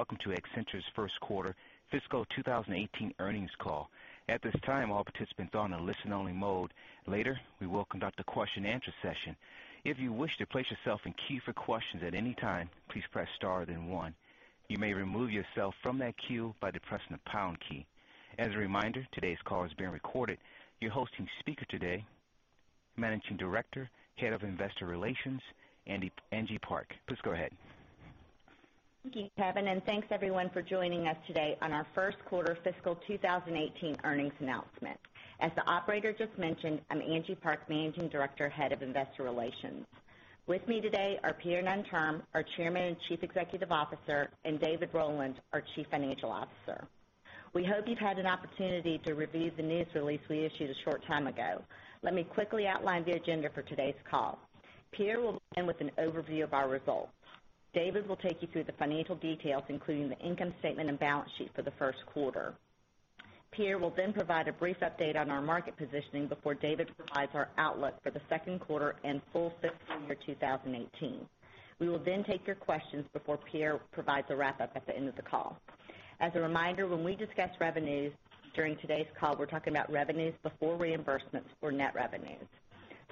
Welcome to Accenture's first quarter fiscal 2018 earnings call. At this time, all participants are on a listen-only mode. Later, we will conduct a question and answer session. If you wish to place yourself in queue for questions at any time, please press star then one. You may remove yourself from that queue by depressing the pound key. As a reminder, today's call is being recorded. Your hosting speaker today, Managing Director, Head of Investor Relations, Angie Park. Please go ahead. Thank you, Kevin. Thanks, everyone, for joining us today on our first quarter fiscal 2018 earnings announcement. As the operator just mentioned, I'm Angie Park, Managing Director, Head of Investor Relations. With me today are Pierre Nanterme, our Chairman and Chief Executive Officer, and David Rowland, our Chief Financial Officer. We hope you've had an opportunity to review the news release we issued a short time ago. Let me quickly outline the agenda for today's call. Pierre will begin with an overview of our results. David will take you through the financial details, including the income statement and balance sheet for the first quarter. Pierre will provide a brief update on our market positioning before David provides our outlook for the second quarter and full fiscal year 2018. We will take your questions before Pierre provides a wrap-up at the end of the call. As a reminder, when we discuss revenues during today's call, we're talking about revenues before reimbursements for net revenues.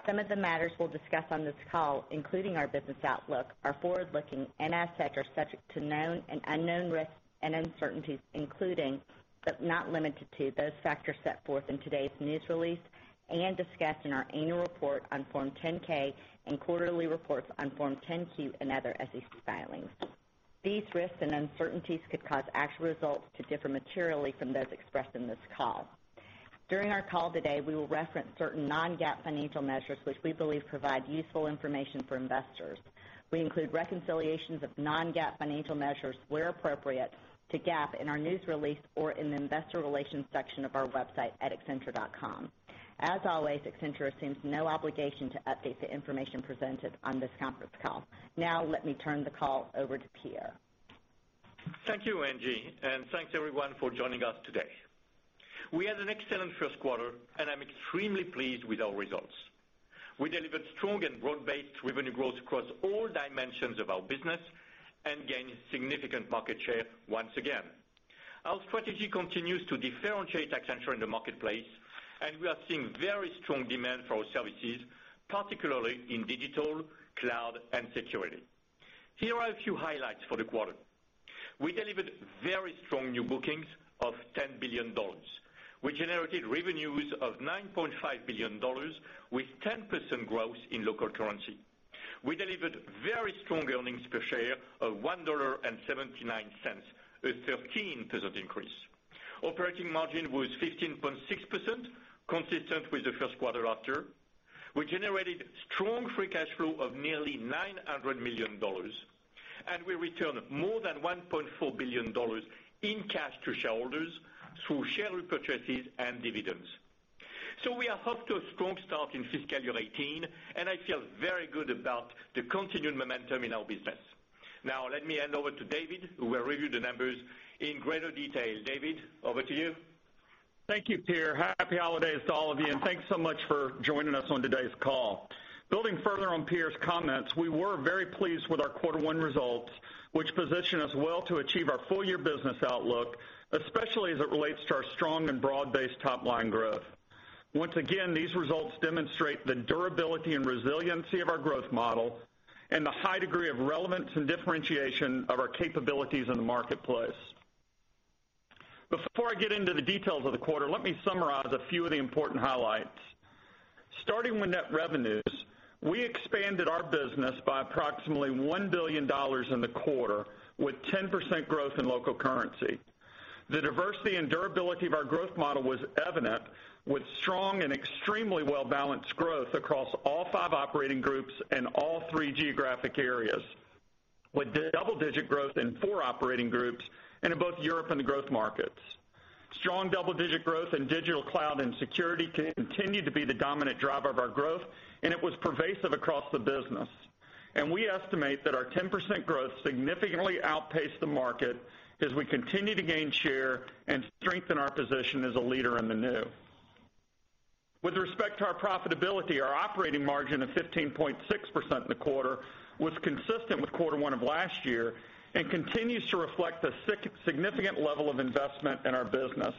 Some of the matters we'll discuss on this call, including our business outlook, are forward-looking and as such, are subject to known and unknown risks and uncertainties, including, but not limited to, those factors set forth in today's news release and discussed in our annual report on Form 10-K and quarterly reports on Form 10-Q and other SEC filings. These risks and uncertainties could cause actual results to differ materially from those expressed in this call. During our call today, we will reference certain non-GAAP financial measures which we believe provide useful information for investors. We include reconciliations of non-GAAP financial measures, where appropriate, to GAAP in our news release or in the investor relations section of our website at accenture.com. As always, Accenture assumes no obligation to update the information presented on this conference call. Now, let me turn the call over to Pierre. Thank you, Angie, and thanks, everyone, for joining us today. We had an excellent first quarter, and I am extremely pleased with our results. We delivered strong and broad-based revenue growth across all dimensions of our business and gained significant market share once again. Our strategy continues to differentiate Accenture in the marketplace, and we are seeing very strong demand for our services, particularly in digital, cloud, and security. Here are a few highlights for the quarter. We delivered very strong new bookings of $10 billion. We generated revenues of $9.5 billion with 10% growth in local currency. We delivered very strong earnings per share of $1.79, a 13% increase. Operating margin was 15.6%, consistent with the first quarter after. We generated strong free cash flow of nearly $900 million, and we returned more than $1.4 billion in cash to shareholders through share repurchases and dividends. We are off to a strong start in fiscal year 2018, and I feel very good about the continued momentum in our business. Now, let me hand over to David, who will review the numbers in greater detail. David, over to you. Thank you, Pierre. Happy holidays to all of you, and thanks so much for joining us on today's call. Building further on Pierre's comments, we were very pleased with our quarter one results, which position us well to achieve our full-year business outlook, especially as it relates to our strong and broad-based top-line growth. Once again, these results demonstrate the durability and resiliency of our growth model and the high degree of relevance and differentiation of our capabilities in the marketplace. Before I get into the details of the quarter, let me summarize a few of the important highlights. Starting with net revenues, we expanded our business by approximately $1 billion in the quarter, with 10% growth in local currency. The diversity and durability of our growth model was evident with strong and extremely well-balanced growth across all five operating groups and all three geographic areas, with double-digit growth in four operating groups and in both Europe and the growth markets. Strong double-digit growth in digital cloud and security continued to be the dominant driver of our growth, and it was pervasive across the business. We estimate that our 10% growth significantly outpaced the market as we continue to gain share and strengthen our position as a leader in the new. With respect to our profitability, our operating margin of 15.6% in the quarter was consistent with quarter one of last year and continues to reflect the significant level of investment in our business.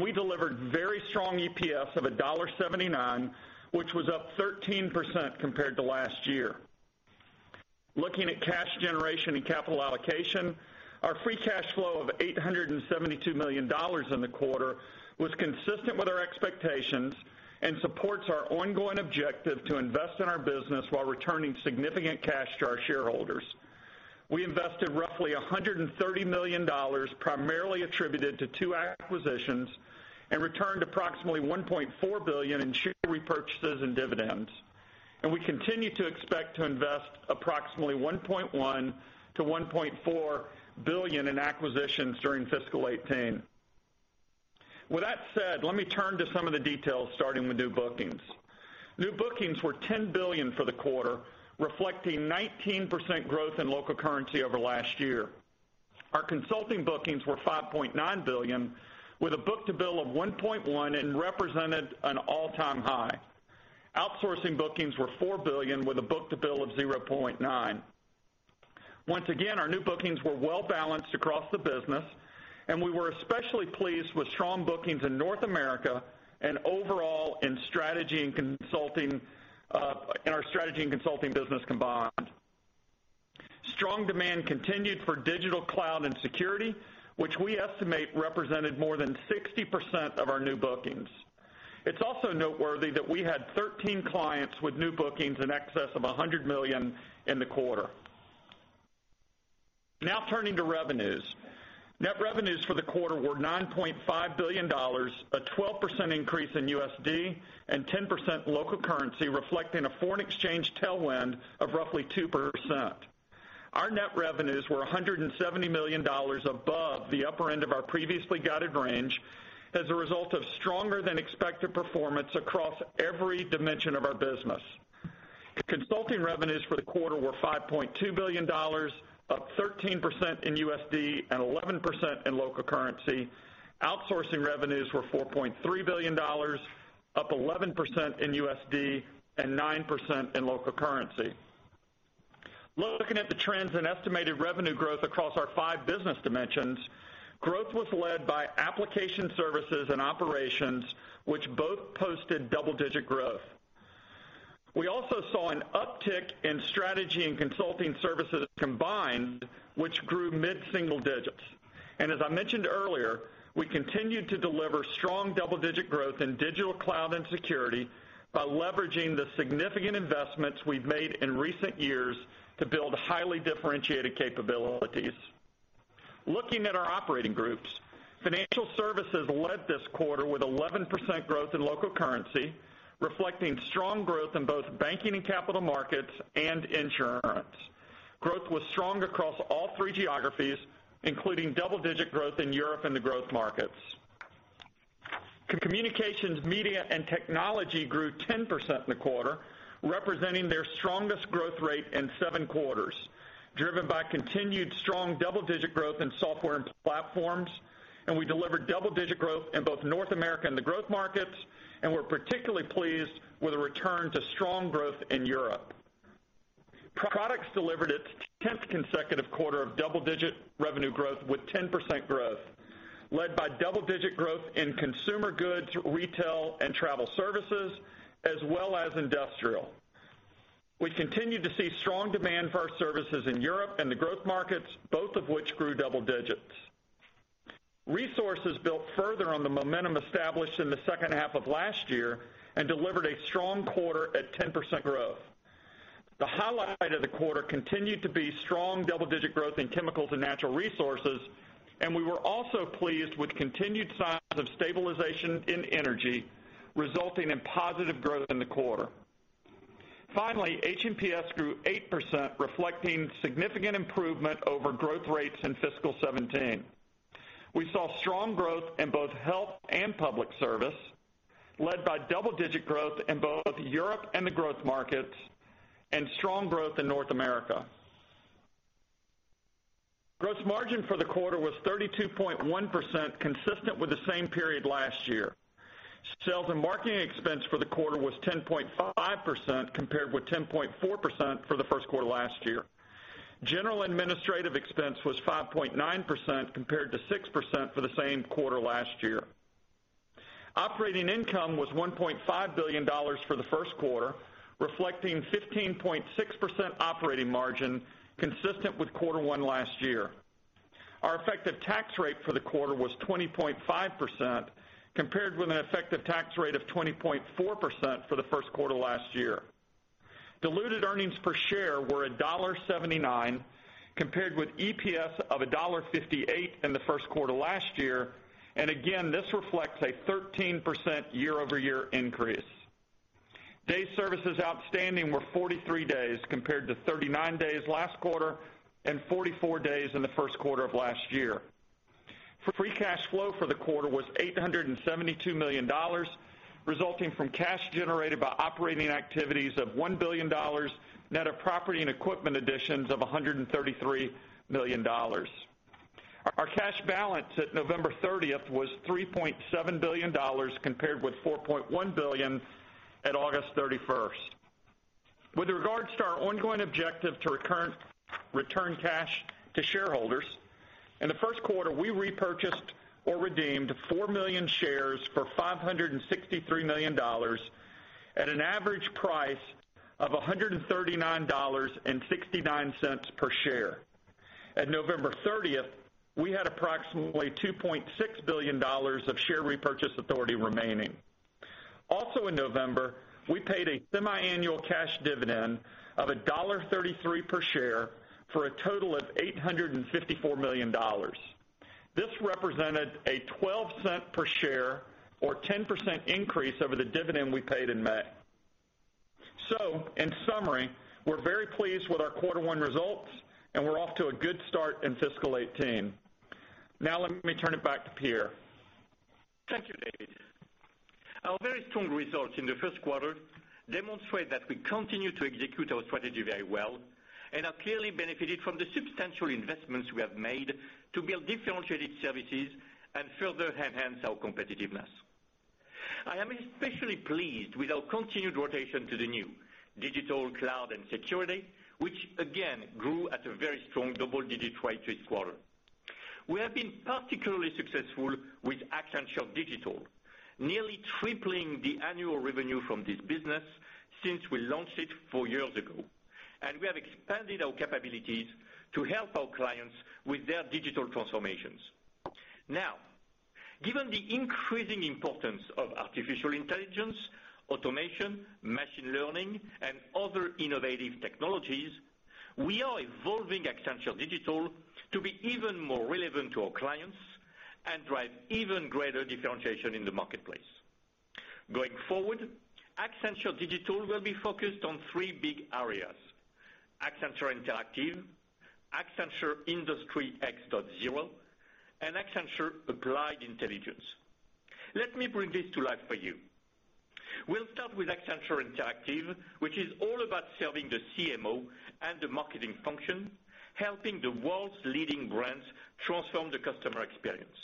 We delivered very strong EPS of $1.79, which was up 13% compared to last year. Looking at cash generation and capital allocation, our free cash flow of $872 million in the quarter was consistent with our expectations and supports our ongoing objective to invest in our business while returning significant cash to our shareholders. We invested roughly $130 million, primarily attributed to two acquisitions, and returned approximately $1.4 billion in share repurchases and dividends. We continue to expect to invest approximately $1.1 billion-$1.4 billion in acquisitions during fiscal 2018. With that said, let me turn to some of the details, starting with new bookings. New bookings were $10 billion for the quarter, reflecting 19% growth in local currency over last year. Our consulting bookings were $5.9 billion, with a book-to-bill of 1.1 and represented an all-time high. Outsourcing bookings were $4 billion with a book-to-bill of 0.9. Once again, our new bookings were well-balanced across the business. We were especially pleased with strong bookings in North America and overall in our strategy and consulting business combined. Strong demand continued for digital cloud and security, which we estimate represented more than 60% of our new bookings. It's also noteworthy that we had 13 clients with new bookings in excess of $100 million in the quarter. Turning to revenues. Net revenues for the quarter were $9.5 billion, a 12% increase in USD and 10% local currency, reflecting a foreign exchange tailwind of roughly 2%. Our net revenues were $170 million above the upper end of our previously guided range as a result of stronger than expected performance across every dimension of our business. Consulting revenues for the quarter were $5.2 billion, up 13% in USD and 11% in local currency. Outsourcing revenues were $4.3 billion, up 11% in USD and 9% in local currency. Looking at the trends in estimated revenue growth across our five business dimensions, growth was led by application services and operations, which both posted double-digit growth. We also saw an uptick in strategy and consulting services combined, which grew mid-single digits. As I mentioned earlier, we continued to deliver strong double-digit growth in digital cloud and security by leveraging the significant investments we've made in recent years to build highly differentiated capabilities. Looking at our operating groups, financial services led this quarter with 11% growth in local currency, reflecting strong growth in both banking and capital markets and insurance. Growth was strong across all three geographies, including double-digit growth in Europe and the growth markets. Communications, media, and technology grew 10% in the quarter, representing their strongest growth rate in seven quarters, driven by continued strong double-digit growth in software and platforms, and we delivered double-digit growth in both North America and the growth markets, and we're particularly pleased with the return to strong growth in Europe. Products delivered its 10th consecutive quarter of double-digit revenue growth with 10% growth, led by double-digit growth in consumer goods, retail, and travel services, as well as industrial. We continue to see strong demand for our services in Europe and the growth markets, both of which grew double digits. Resources built further on the momentum established in the second half of last year and delivered a strong quarter at 10% growth. The highlight of the quarter continued to be strong double-digit growth in chemicals and natural resources, and we were also pleased with continued signs of stabilization in energy, resulting in positive growth in the quarter. Finally, H&PS grew 8%, reflecting significant improvement over growth rates in fiscal 2017. We saw strong growth in both Health & Public Service, led by double-digit growth in both Europe and the growth markets, and strong growth in North America. Gross margin for the quarter was 32.1%, consistent with the same period last year. Sales and marketing expense for the quarter was 10.5%, compared with 10.4% for the first quarter last year. General administrative expense was 5.9%, compared to 6% for the same quarter last year. Operating income was $1.5 billion for the first quarter, reflecting 15.6% operating margin consistent with quarter one last year. Our effective tax rate for the quarter was 20.5%, compared with an effective tax rate of 20.4% for the first quarter last year. Diluted earnings per share were $1.79, compared with EPS of $1.58 in the first quarter last year. Again, this reflects a 13% year-over-year increase. Days Sales Outstanding were 43 days compared to 39 days last quarter and 44 days in the first quarter of last year. Free cash flow for the quarter was $872 million, resulting from cash generated by operating activities of $1 billion, net of property and equipment additions of $133 million. Our cash balance at November 30th was $3.7 billion, compared with $4.1 billion at August 31st. With regards to our ongoing objective to return cash to shareholders, in the first quarter, we repurchased or redeemed 4 million shares for $563 million at an average price of $139.69 per share. At November 30th, we had approximately $2.6 billion of share repurchase authority remaining. Also in November, we paid a semiannual cash dividend of $1.33 per share for a total of $854 million. This represented a $0.12 per share or 10% increase over the dividend we paid in May. In summary, we're very pleased with our quarter one results, and we're off to a good start in fiscal 2018. Now, let me turn it back to Pierre. Thank you, David. Our very strong results in the first quarter demonstrate that we continue to execute our strategy very well and are clearly benefited from the substantial investments we have made to build differentiated services and further enhance our competitiveness. I am especially pleased with our continued rotation to the new Digital Cloud and Security, which again grew at a very strong double-digit rate this quarter. We have been particularly successful with Accenture Digital, nearly tripling the annual revenue from this business since we launched it 4 years ago. We have expanded our capabilities to help our clients with their digital transformations. Now, given the increasing importance of artificial intelligence, automation, machine learning, and other innovative technologies, we are evolving Accenture Digital to be even more relevant to our clients and drive even greater differentiation in the marketplace. Going forward, Accenture Digital will be focused on three big areas. Accenture Interactive, Accenture Industry X.0, and Accenture Applied Intelligence. Let me bring this to life for you. We will start with Accenture Interactive, which is all about serving the CMO and the marketing function, helping the world's leading brands transform the customer experience.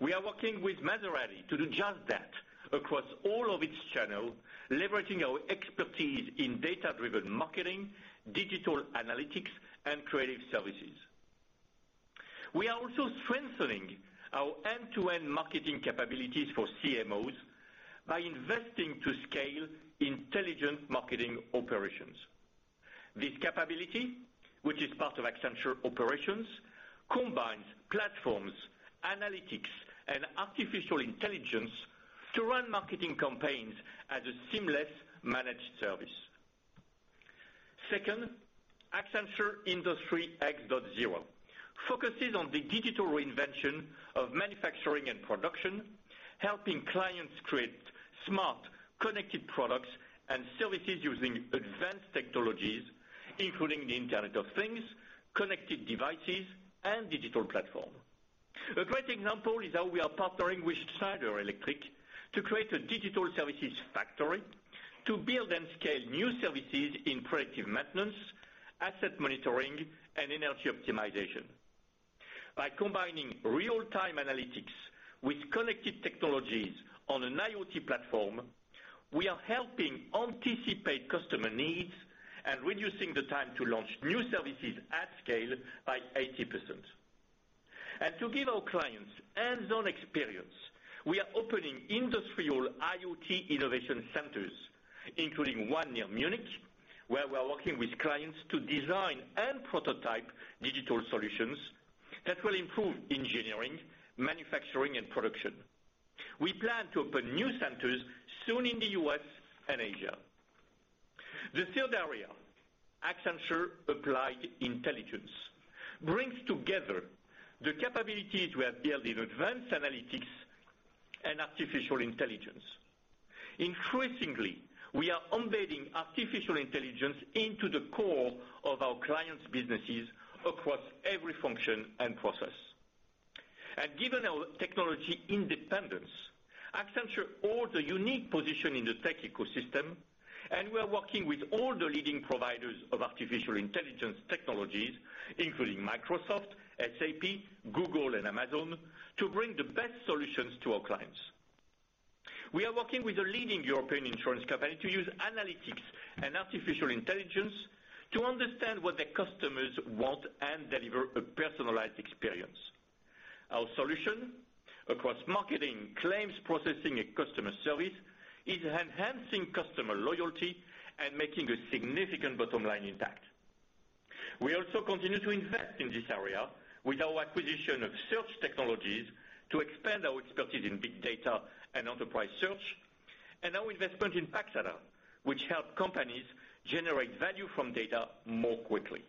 We are working with Maserati to do just that across all of its channel, leveraging our expertise in data-driven marketing, digital analytics, and creative services. We are also strengthening our end-to-end marketing capabilities for CMOs by investing to scale intelligent marketing operations. This capability, which is part of Accenture Operations, combines platforms, analytics, and artificial intelligence to run marketing campaigns as a seamless managed service. Second, Accenture Industry X.0 focuses on the digital reinvention of manufacturing and production, helping clients create smart, connected products and services using advanced technologies, including the Internet of Things, connected devices, and digital platform. A great example is how we are partnering with Schneider Electric to create a digital services factory to build and scale new services in predictive maintenance, asset monitoring, and energy optimization. By combining real-time analytics with connected technologies on an IoT platform, we are helping anticipate customer needs and reducing the time to launch new services at scale by 80%. To give our clients hands-on experience, we are opening industrial IoT innovation centers, including one near Munich, where we are working with clients to design and prototype digital solutions that will improve engineering, manufacturing, and production. We plan to open new centers soon in the U.S. and Asia. The third area, Accenture Applied Intelligence, brings together the capabilities we have built in advanced analytics and artificial intelligence. Increasingly, we are embedding artificial intelligence into the core of our clients' businesses across every function and process. Given our technology independence, Accenture holds a unique position in the tech ecosystem, and we are working with all the leading providers of artificial intelligence technologies, including Microsoft, SAP, Google, and Amazon, to bring the best solutions to our clients. We are working with a leading European insurance company to use analytics and artificial intelligence to understand what their customers want and deliver a personalized experience. Our solution across marketing, claims processing, and customer service, is enhancing customer loyalty and making a significant bottom line impact. We also continue to invest in this area with our acquisition of Search Technologies to expand our expertise in big data and enterprise search, and our investment in Paxata, which help companies generate value from data more quickly.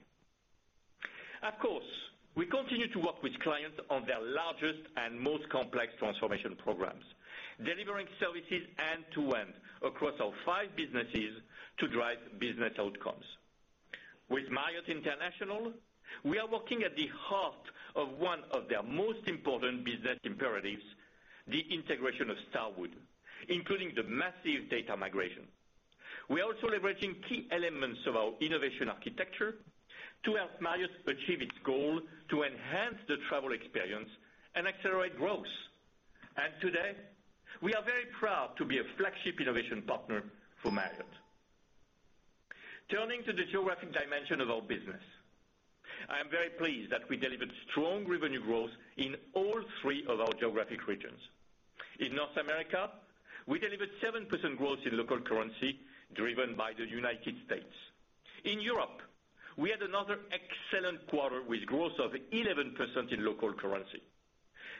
Of course, we continue to work with clients on their largest and most complex transformation programs, delivering services end to end across our five businesses to drive business outcomes. With Marriott International, we are working at the heart of one of their most important business imperatives, the integration of Starwood, including the massive data migration. We are also leveraging key elements of our innovation architecture to help Marriott achieve its goal to enhance the travel experience and accelerate growth. Today, we are very proud to be a flagship innovation partner for Marriott. Turning to the geographic dimension of our business. I am very pleased that we delivered strong revenue growth in all three of our geographic regions. In North America, we delivered 7% growth in local currency driven by the United States. In Europe, we had another excellent quarter with growth of 11% in local currency,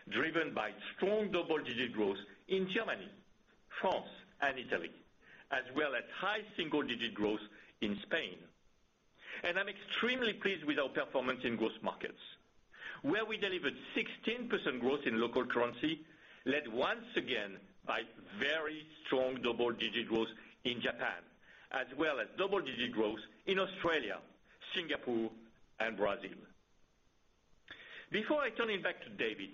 driven by strong double-digit growth in Germany, France, and Italy, as well as high single-digit growth in Spain. I'm extremely pleased with our performance in growth markets, where we delivered 16% growth in local currency, led once again by very strong double-digit growth in Japan, as well as double-digit growth in Australia, Singapore, and Brazil. Before I turn it back to David,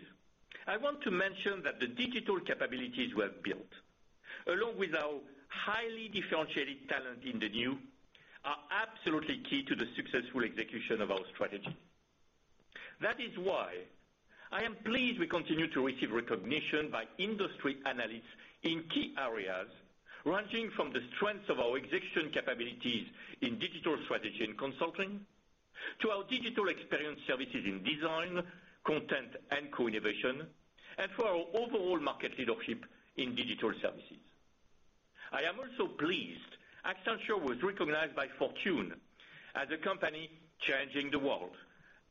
I want to mention that the digital capabilities we have built, along with our highly differentiated talent in the new, are absolutely key to the successful execution of our strategy. That is why I am pleased we continue to receive recognition by industry analysts in key areas, ranging from the strength of our execution capabilities in digital strategy and consulting, to our digital experience services in design, content, and co-innovation, and for our overall market leadership in digital services. I am also pleased Accenture was recognized by Fortune as a company changing the world,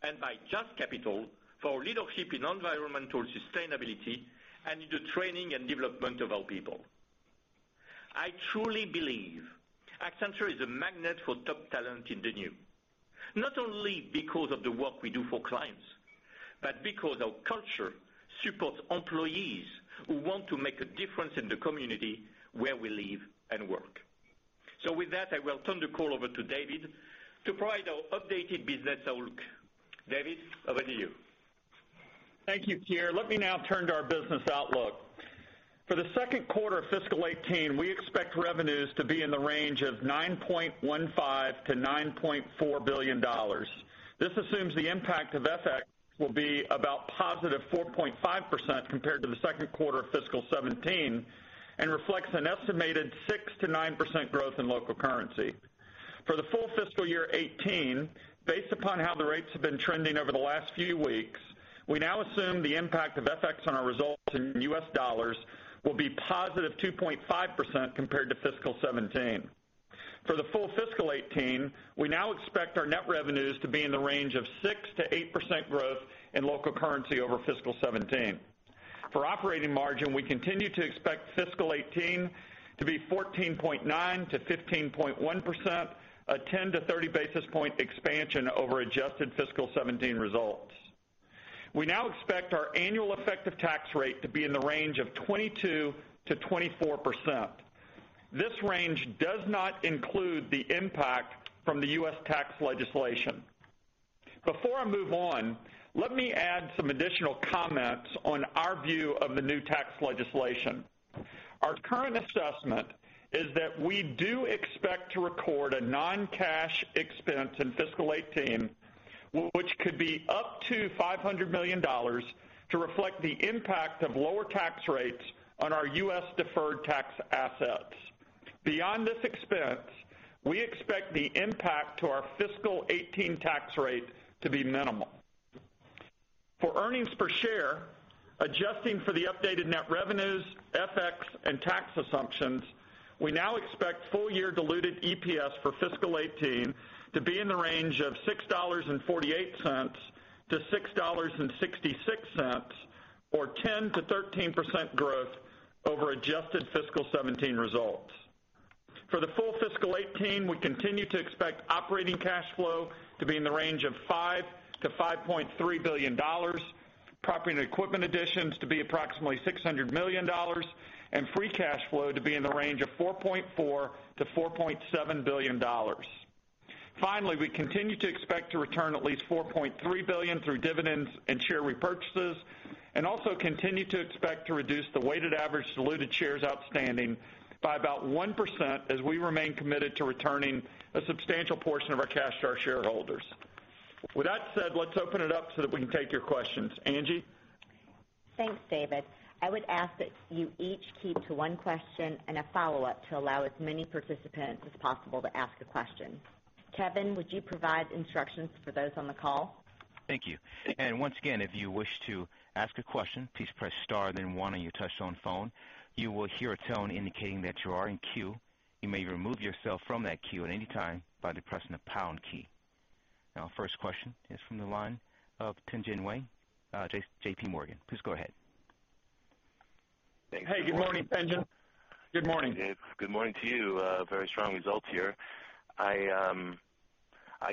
and by JUST Capital for leadership in environmental sustainability and in the training and development of our people. I truly believe Accenture is a magnet for top talent in the new, not only because of the work we do for clients, but because our culture supports employees who want to make a difference in the community where we live and work. With that, I will turn the call over to David to provide our updated business outlook. David, over to you. Thank you, Pierre. Let me now turn to our business outlook. For the second quarter of fiscal 2018, we expect revenues to be in the range of $9.15 billion-$9.4 billion. This assumes the impact of FX will be about positive 4.5% compared to the second quarter of fiscal 2017, and reflects an estimated 6%-9% growth in local currency. For the full fiscal year 2018, based upon how the rates have been trending over the last few weeks, we now assume the impact of FX on our results in US dollars will be positive 2.5% compared to fiscal 2017. For the full fiscal 2018, we now expect our net revenues to be in the range of 6%-8% growth in local currency over fiscal 2017. For operating margin, we continue to expect fiscal 2018 to be 14.9%-15.1%, a 10 to 30 basis point expansion over adjusted fiscal 2017 results. We now expect our annual effective tax rate to be in the range of 22%-24%. This range does not include the impact from the U.S. tax legislation. Before I move on, let me add some additional comments on our view of the new tax legislation. Our current assessment is that we do expect to record a non-cash expense in fiscal 2018, which could be up to $500 million, to reflect the impact of lower tax rates on our U.S. deferred tax assets. Beyond this expense, we expect the impact to our fiscal 2018 tax rate to be minimal. For earnings per share, adjusting for the updated net revenues, FX, and tax assumptions, we now expect full year diluted EPS for fiscal 2018 to be in the range of $6.48-$6.66, or 10%-13% growth over adjusted fiscal 2017 results. For the full fiscal 2018, we continue to expect operating cash flow to be in the range of $5 billion-$5.3 billion, property and equipment additions to be approximately $600 million, and free cash flow to be in the range of $4.4 billion-$4.7 billion. Finally, we continue to expect to return at least $4.3 billion through dividends and share repurchases. Also continue to expect to reduce the weighted average diluted shares outstanding by about 1% as we remain committed to returning a substantial portion of our cash to our shareholders. With that said, let's open it up so that we can take your questions. Angie. Thanks, David. I would ask that you each keep to one question and a follow-up to allow as many participants as possible to ask a question. Kevin, would you provide instructions for those on the call? Thank you. Once again, if you wish to ask a question, please press star then one on your touchtone phone. You will hear a tone indicating that you are in queue. You may remove yourself from that queue at any time by depressing the pound key. First question is from the line of Tien-Tsin Huang, JPMorgan. Please go ahead. Hey, good morning, Tien-Tsin. Good morning. Good morning to you. Very strong results here. I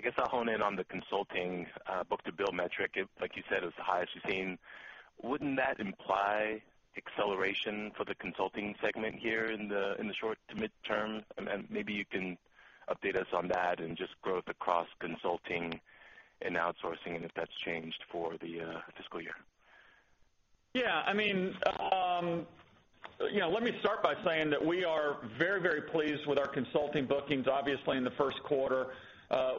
guess I'll hone in on the consulting book-to-bill metric. Like you said, it's the highest you've seen. Wouldn't that imply acceleration for the consulting segment here in the short to mid-term? Maybe you can update us on that and just growth across consulting and outsourcing, and if that's changed for the fiscal year. Yeah. Let me start by saying that we are very, very pleased with our consulting bookings, obviously, in the first quarter.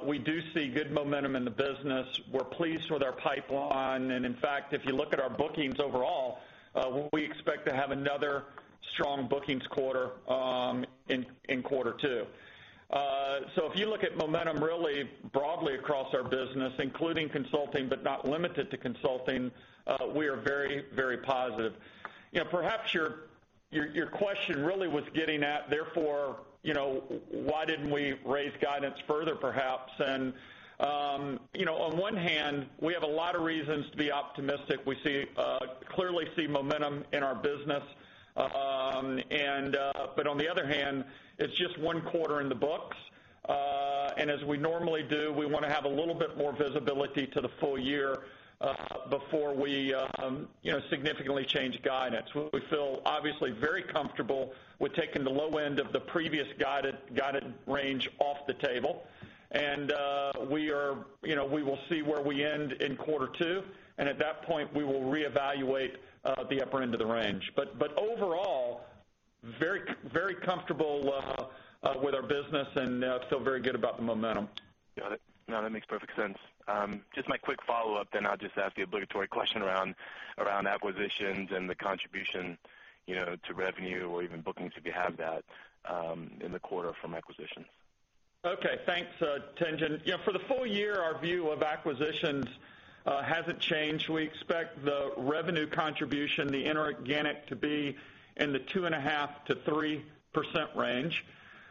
We do see good momentum in the business. We're pleased with our pipeline. In fact, if you look at our bookings overall, we expect to have another strong bookings quarter in quarter two. If you look at momentum really broadly across our business, including consulting but not limited to consulting, we are very, very positive. Perhaps your question really was getting at, therefore, why didn't we raise guidance further, perhaps? On one hand, we have a lot of reasons to be optimistic. We clearly see momentum in our business. On the other hand, it's just one quarter in the books. As we normally do, we want to have a little bit more visibility to the full year before we significantly change guidance. We feel obviously very comfortable with taking the low end of the previous guided range off the table. We will see where we end in quarter two, and at that point, we will reevaluate the upper end of the range. Overall very comfortable with our business and feel very good about the momentum. Got it. No, that makes perfect sense. Just my quick follow-up then I'll just ask the obligatory question around acquisitions and the contribution to revenue or even bookings, if you have that, in the quarter from acquisitions. Okay. Thanks, Tien-Tsin. For the full year, our view of acquisitions hasn't changed. We expect the revenue contribution, the inorganic, to be in the 2.5%-3% range.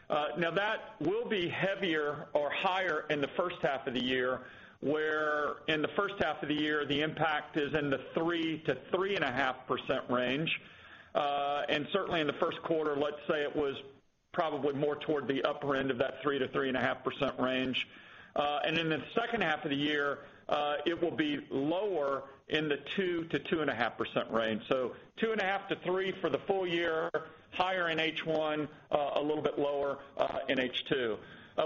That will be heavier or higher in the first half of the year, where in the first half of the year, the impact is in the 3%-3.5% range. Certainly in the first quarter, let's say it was probably more toward the upper end of that 3%-3.5% range. In the second half of the year, it will be lower in the 2%-2.5% range. 2.5%-3% for the full year, higher in H1, a little bit lower in H2.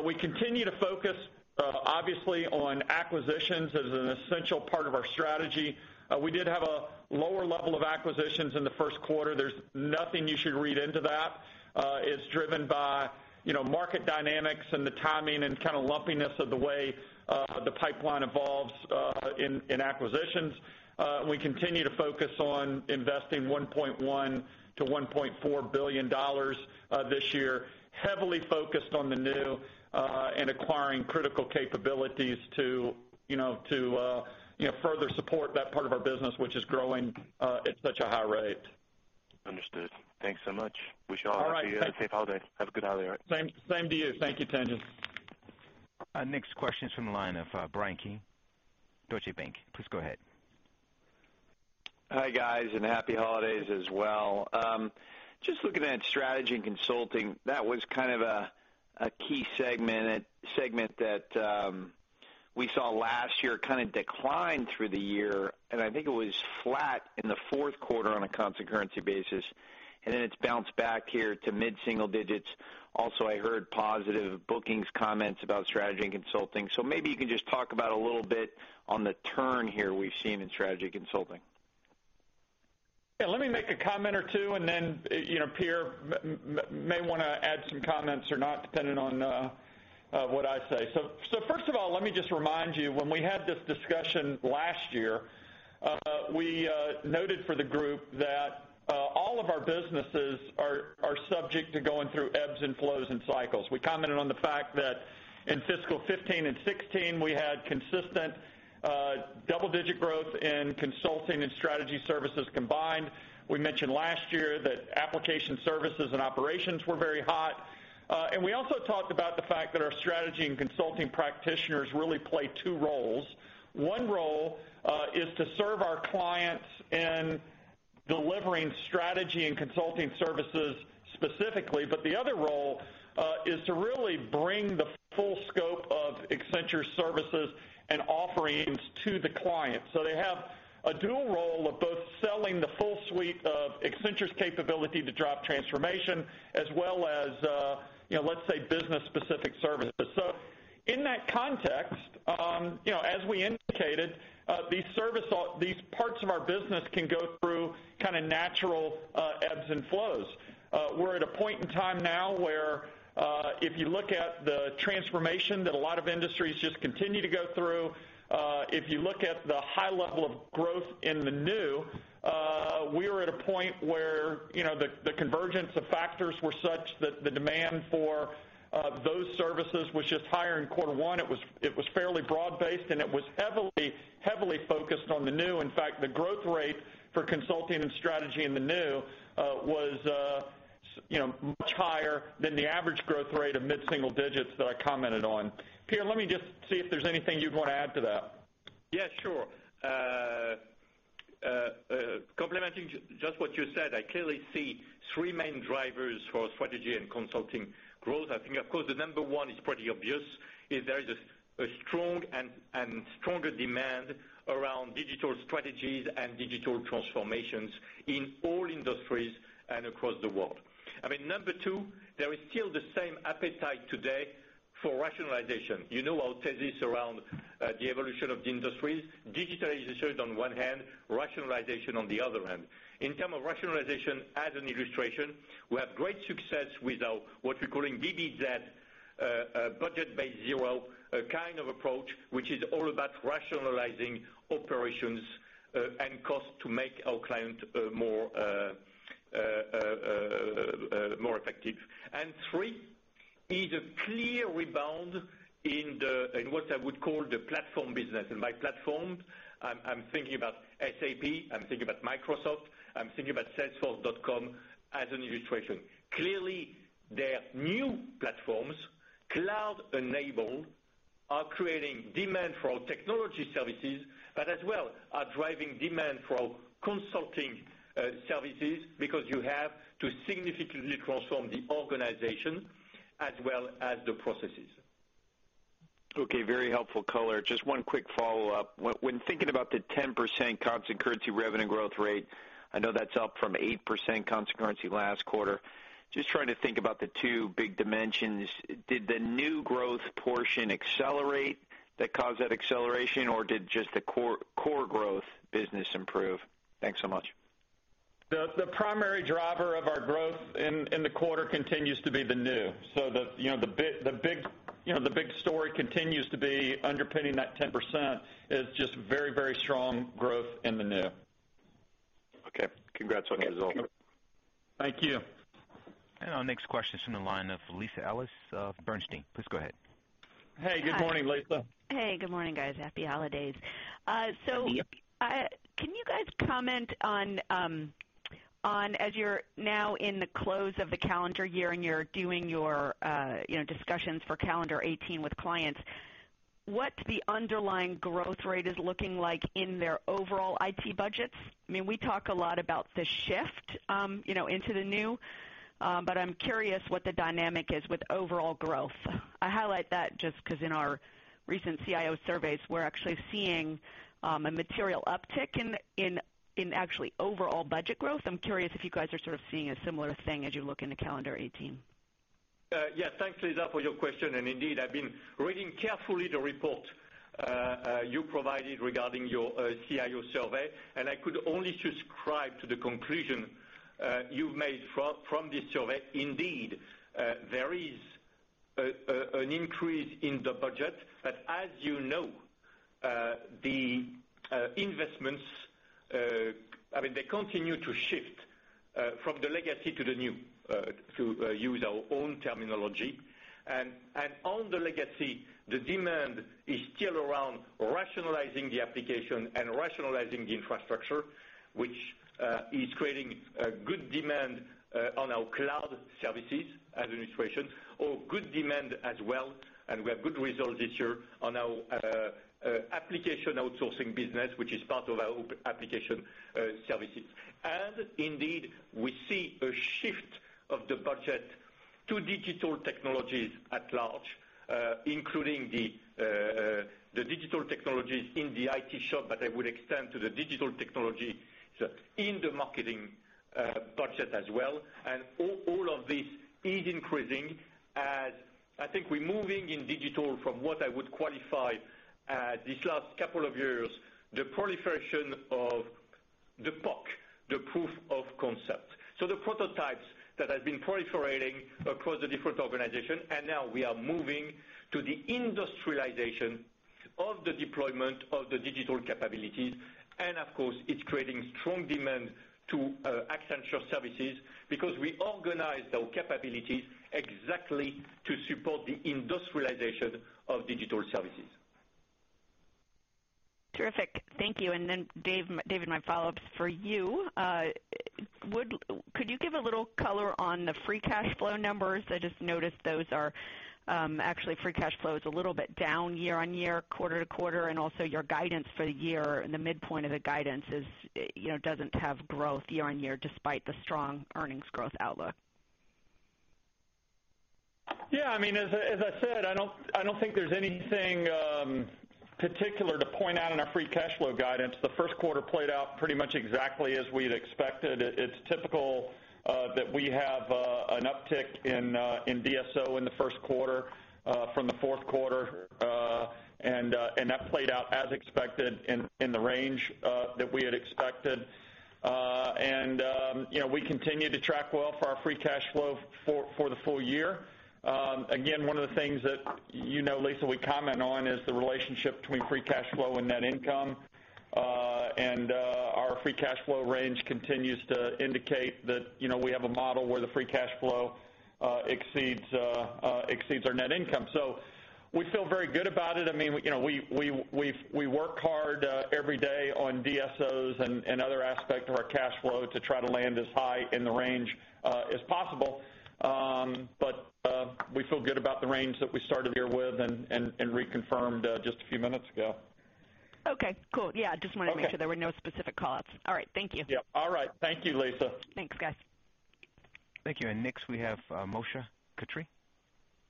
We continue to focus, obviously, on acquisitions as an essential part of our strategy. We did have a lower level of acquisitions in the first quarter. There's nothing you should read into that. It's driven by market dynamics and the timing and kind of lumpiness of the way the pipeline evolves in acquisitions. We continue to focus on investing $1.1 billion-$1.4 billion this year, heavily focused on the new, and acquiring critical capabilities to further support that part of our business, which is growing at such a high rate. Understood. Thanks so much. All right. Wish you all a safe holiday. Have a good holiday, all right? Same to you. Thank you, Tien-Tsin. Our next question is from the line of Bryan Keane, Deutsche Bank. Please go ahead. Hi, guys, happy holidays as well. Just looking at strategy and consulting, that was kind of a key segment that we saw last year kind of decline through the year, and I think it was flat in the fourth quarter on a constant currency basis, and then it's bounced back here to mid-single digits. Also, I heard positive bookings comments about strategy and consulting. Maybe you can just talk about a little bit on the turn here we've seen in strategy consulting. Let me make a comment or two, and then Pierre Nanterme may want to add some comments or not, depending on what I say. First of all, let me just remind you, when we had this discussion last year, we noted for the group that all of our businesses are subject to going through ebbs and flows and cycles. We commented on the fact that in fiscal 2015 and 2016, we had consistent double-digit growth in consulting and strategy services combined. We mentioned last year that application services and operations were very hot. We also talked about the fact that our strategy and consulting practitioners really play two roles. One role is to serve our clients in delivering strategy and consulting services specifically, but the other role is to really bring the full scope of Accenture services and offerings to the client. They have a dual role of both selling the full suite of Accenture's capability to drive transformation, as well as, let's say, business-specific services. In that context, as we indicated, these parts of our business can go through kind of natural ebbs and flows. We're at a point in time now where if you look at the transformation that a lot of industries just continue to go through, if you look at the high level of growth in the new, we are at a point where the convergence of factors were such that the demand for those services was just higher in quarter one. It was fairly broad-based, and it was heavily focused on the new. In fact, the growth rate for consulting and strategy in the new was much higher than the average growth rate of mid-single digits that I commented on. Pierre, let me just see if there's anything you'd want to add to that. Sure. Complementing just what you said, I clearly see three main drivers for strategy and consulting growth. I think, of course, the number one is pretty obvious, is there is a strong and stronger demand around digital strategies and digital transformations in all industries and across the world. I mean, number two, there is still the same appetite today for rationalization. You know our thesis around the evolution of the industries. Digital is assured on one hand, rationalization on the other hand. In term of rationalization, as an illustration, we have great success with our, what we're calling ZBB, budget base zero kind of approach, which is all about rationalizing operations and cost to make our client more effective. Three is a clear rebound in what I would call the platform business. By platform, I'm thinking about SAP, I'm thinking about Microsoft, I'm thinking about salesforce.com as an illustration. Clearly, their new platforms, cloud-enabled, are creating demand for our technology services, but as well are driving demand for our consulting services because you have to significantly transform the organization as well as the processes. Okay. Very helpful color. Just one quick follow-up. When thinking about the 10% constant currency revenue growth rate, I know that's up from 8% constant currency last quarter. Just trying to think about the two big dimensions. Did the new growth portion accelerate that caused that acceleration, or did just the core growth business improve? Thanks so much. The primary driver of our growth in the quarter continues to be the new. The big story continues to be underpinning that 10% is just very strong growth in the new. Okay. Congrats on the result. Thank you. Our next question is from the line of Lisa Ellis of Bernstein. Please go ahead. Hey, good morning, Lisa. Good morning, guys. Happy holidays. Can you guys comment on, as you're now in the close of the calendar year and you're doing your discussions for calendar 2018 with clients, what the underlying growth rate is looking like in their overall IT budgets? We talk a lot about the shift into the new, but I'm curious what the dynamic is with overall growth. I highlight that just because in our recent CIO surveys, we're seeing a material uptick in overall budget growth. I'm curious if you guys are sort of seeing a similar thing as you look into calendar 2018. Thanks, Lisa, for your question. Indeed, I've been reading carefully the report you provided regarding your CIO survey, and I could only subscribe to the conclusion you've made from this survey. Indeed, there is an increase in the budget, but as you know, the investments, they continue to shift from the legacy to the new, to use our own terminology. On the legacy, the demand is still around rationalizing the application and rationalizing the infrastructure, which is creating a good demand on our cloud services administration, or good demand as well. We have good results this year on our application outsourcing business, which is part of our application services. Indeed, we see a shift of the budget to digital technologies at large, including the digital technologies in the IT shop, but I would extend to the digital technology in the marketing budget as well. All of this is increasing as I think we're moving in digital from what I would qualify these last couple of years, the proliferation of the PoC, the proof of concept. The prototypes that have been proliferating across the different organization, now we are moving to the industrialization of the deployment of the digital capabilities. Of course, it's creating strong demand to Accenture services because we organize our capabilities exactly to support the industrialization of digital services. Terrific. Thank you. David, my follow-up's for you. Could you give a little color on the free cash flow numbers? I just noticed those are actually free cash flow is a little bit down year-on-year, quarter-to-quarter, also your guidance for the year and the midpoint of the guidance doesn't have growth year-on-year despite the strong earnings growth outlook. Yeah. As I said, I don't think there's anything particular to point out in our free cash flow guidance. The first quarter played out pretty much exactly as we'd expected. It's typical that we have an uptick in DSO in the first quarter from the fourth quarter. That played out as expected in the range that we had expected. We continue to track well for our free cash flow for the full year. Again, one of the things that you know, Lisa, we comment on is the relationship between free cash flow and net income. Our free cash flow range continues to indicate that we have a model where the free cash flow exceeds our net income. We feel very good about it. We work hard every day on DSOs and other aspect of our cash flow to try to land as high in the range as possible. We feel good about the range that we started here with and reconfirmed just a few minutes ago. Okay, cool. Yeah, just wanted to make sure there were no specific call-outs. All right. Thank you. Yep. All right. Thank you, Lisa. Thanks, guys. Thank you. Next we have Moshe Katri,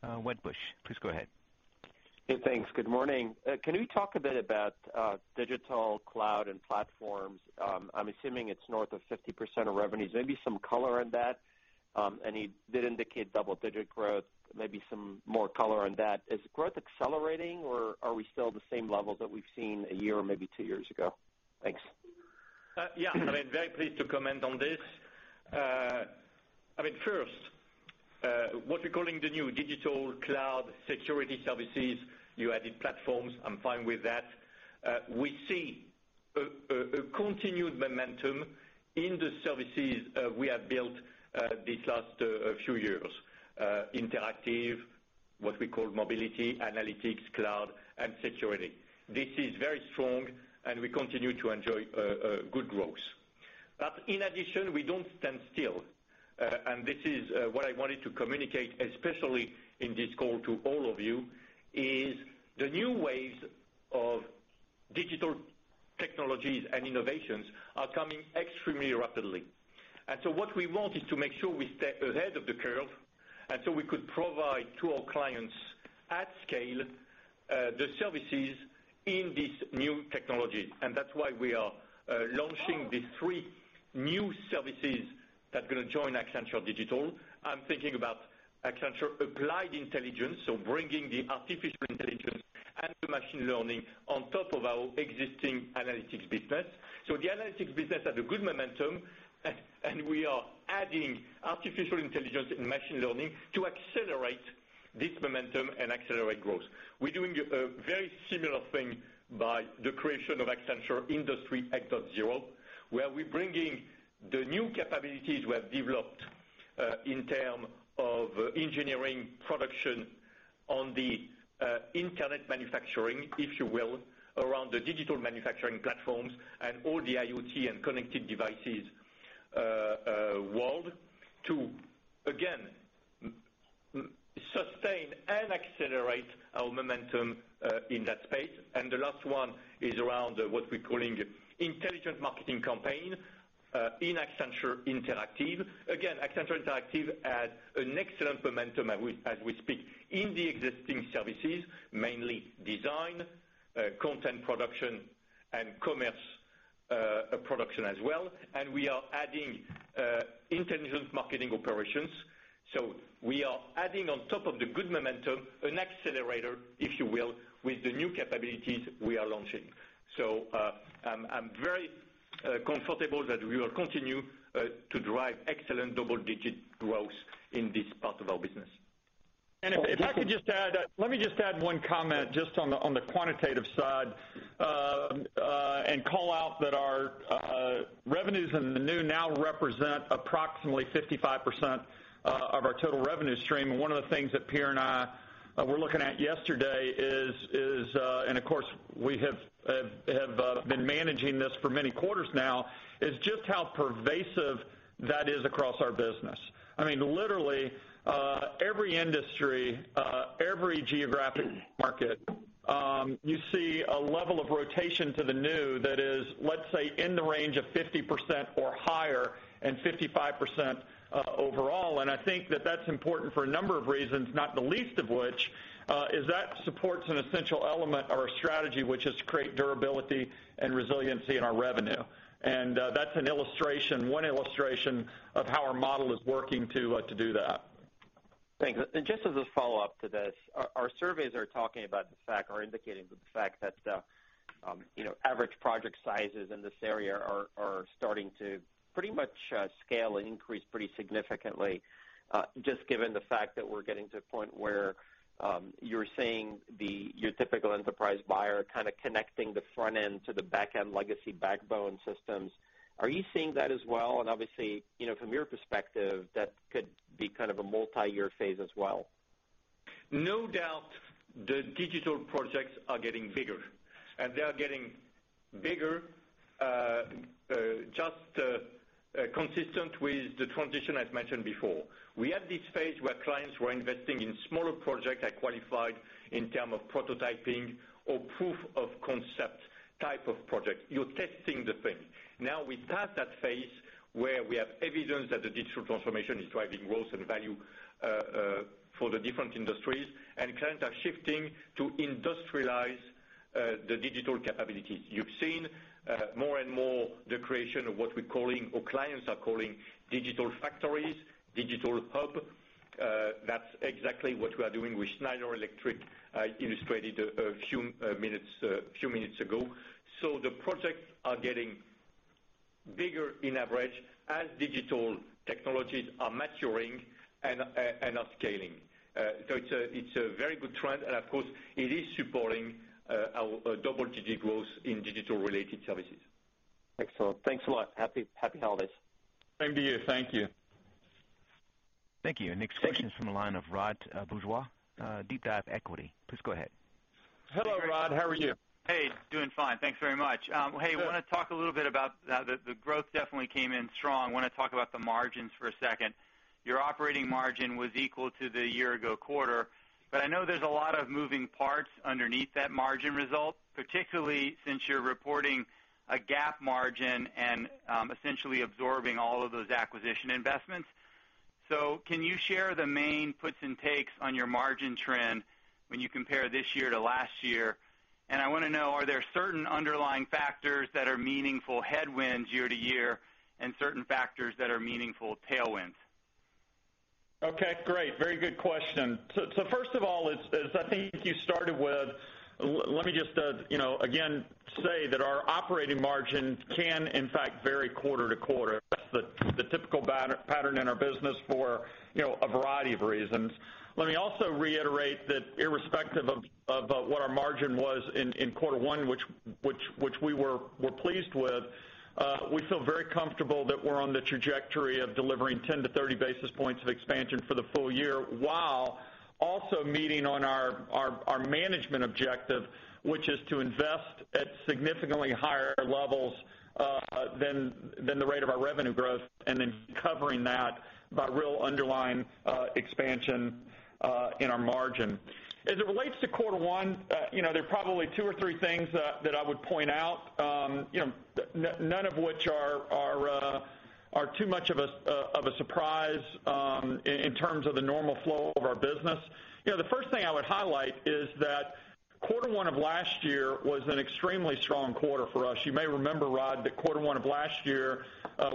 Wedbush. Please go ahead. Hey, thanks. Good morning. Can you talk a bit about digital cloud and platforms? I'm assuming it's north of 50% of revenues. Maybe some color on that. You did indicate double-digit growth, maybe some more color on that. Is growth accelerating, or are we still at the same level that we've seen a year or maybe two years ago? Thanks. Yeah. I'm very pleased to comment on this. First, what we're calling the new digital cloud security services, you added platforms, I'm fine with that. We see a continued momentum in the services we have built these last few years. Interactive, what we call mobility, analytics, cloud, and security. This is very strong, and we continue to enjoy good growth. In addition, we don't stand still. This is what I wanted to communicate, especially in this call to all of you, is the new waves of digital technologies and innovations are coming extremely rapidly. So what we want is to make sure we stay ahead of the curve, and so we could provide to our clients scale the services in these new technologies, and that's why we are launching the three new services that are going to join Accenture Digital. I'm thinking about Accenture Applied Intelligence, bringing the artificial intelligence and the machine learning on top of our existing analytics business. The analytics business has a good momentum, and we are adding artificial intelligence and machine learning to accelerate this momentum and accelerate growth. We're doing a very similar thing by the creation of Accenture Industry X.0, where we're bringing the new capabilities we have developed in terms of engineering production on the internet manufacturing, if you will, around the digital manufacturing platforms and all the IoT and connected devices world to, again, sustain and accelerate our momentum in that space. The last one is around what we're calling intelligent marketing campaign, in Accenture Interactive. Accenture Interactive has an excellent momentum as we speak in the existing services, mainly design, content production, and commerce production as well. We are adding intelligent marketing operations. We are adding on top of the good momentum, an accelerator, if you will, with the new capabilities we are launching. I'm very comfortable that we will continue to drive excellent double-digit growth in this part of our business. If I could just add, let me just add one comment just on the quantitative side, and call out that our revenues in the new now represent approximately 55% of our total revenue stream. One of the things that Pierre and I were looking at yesterday is, and of course, we have been managing this for many quarters now, is just how pervasive that is across our business. Literally every industry, every geographic market, you see a level of rotation to the new that is, let's say, in the range of 50% or higher and 55% overall. I think that that's important for a number of reasons, not the least of which, is that supports an essential element of our strategy, which is to create durability and resiliency in our revenue. That's one illustration of how our model is working to do that. Thanks. Just as a follow-up to this, our surveys are talking about the fact or indicating the fact that average project sizes in this area are starting to pretty much scale and increase pretty significantly, just given the fact that we're getting to a point where you're seeing your typical enterprise buyer kind of connecting the front end to the back end legacy backbone systems. Are you seeing that as well? Obviously, from your perspective, that could be kind of a multi-year phase as well. No doubt the digital projects are getting bigger, and they are getting bigger just consistent with the transition I've mentioned before. We had this phase where clients were investing in smaller projects I qualified in term of prototyping or proof of concept type of project. You're testing the thing. We're past that phase where we have evidence that the digital transformation is driving growth and value for the different industries, and clients are shifting to industrialize the digital capabilities. You've seen more and more the creation of what we're calling or clients are calling digital factories, digital hub. That's exactly what we are doing with Schneider Electric, I illustrated a few minutes ago. The projects are getting bigger in average as digital technologies are maturing and are scaling. It's a very good trend, and of course, it is supporting our double-digit growth in digital-related services. Excellent. Thanks a lot. Happy holidays. Same to you. Thank you. Thank you. Thank you. Next question is from the line of Rod Bourgeois, DeepDive Equity Research. Please go ahead. Hello, Rod. How are you? Hey, doing fine. Thanks very much. Good I want to talk a little bit about the growth definitely came in strong. I want to talk about the margins for a second. Your operating margin was equal to the year-ago quarter, but I know there's a lot of moving parts underneath that margin result, particularly since you're reporting a GAAP margin and essentially absorbing all of those acquisition investments. Can you share the main puts and takes on your margin trend when you compare this year to last year? I want to know, are there certain underlying factors that are meaningful headwinds year-to-year and certain factors that are meaningful tailwinds? Okay, great. Very good question. First of all, let me just again say that our operating margins can in fact vary quarter-to-quarter. That's the typical pattern in our business for a variety of reasons. Let me also reiterate that irrespective of what our margin was in quarter one, which we were pleased with, we feel very comfortable that we're on the trajectory of delivering 10-30 basis points of expansion for the full year, while also meeting our management objective, which is to invest at significantly higher levels than the rate of our revenue growth and then covering that by real underlying expansion in our margin. As it relates to quarter one, there are probably two or three things that I would point out, none of which are too much of a surprise in terms of the normal flow of our business. The first thing I would highlight is that quarter one of last year was an extremely strong quarter for us. You may remember, Rod, that quarter one of last year,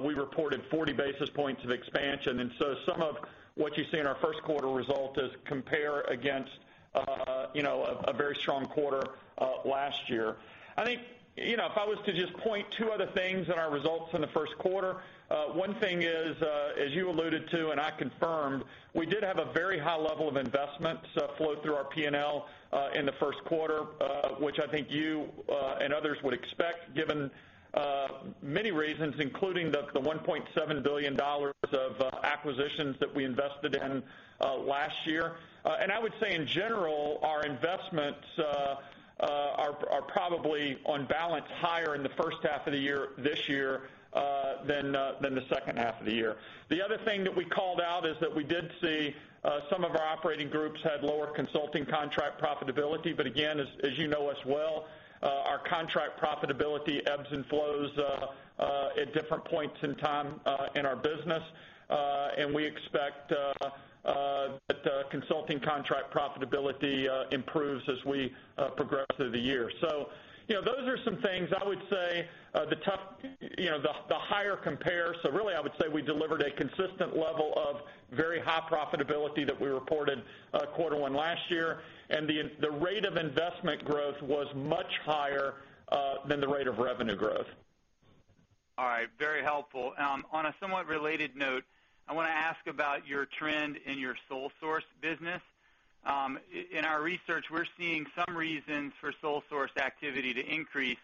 we reported 40 basis points of expansion, some of what you see in our first quarter result is compare against a very strong quarter last year. I think, if I was to just point two other things in our results in the first quarter, one thing is, as you alluded to and I confirmed, we did have a very high level of investment flow through our P&L in the first quarter, which I think you and others would expect, given many reasons, including the $1.7 billion of acquisitions that we invested in last year. I would say, in general, our investments are probably on balance higher in the first half of the year this year than the second half of the year. The other thing that we called out is that we did see some of our operating groups had lower consulting contract profitability, again, as you know as well, our contract profitability ebbs and flows at different points in time in our business. We expect that consulting contract profitability improves as we progress through the year. Those are some things I would say the higher compare. Really, I would say we delivered a consistent level of very high profitability that we reported quarter one last year. The rate of investment growth was much higher than the rate of revenue growth. All right. Very helpful. On a somewhat related note, I want to ask about your trend in your sole source business. In our research, we're seeing some reasons for sole source activity to increase,